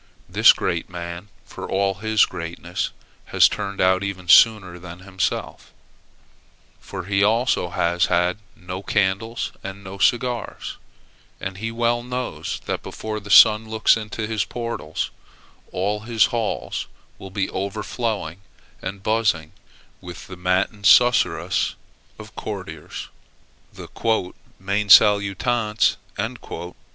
This great man, for all his greatness, has turned out even sooner than himself. For he also has had no candles and no cigars; and he well knows, that before the sun looks into his portals, all his halls will be overflowing and buzzing with the matin susurrus of courtiers the "mane salutantes."